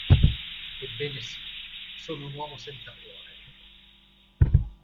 Ebbene, sì, sono un uomo senza cuore.